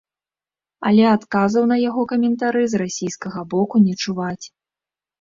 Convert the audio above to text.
Але адказаў на яго каментары з расійскага боку не чуваць.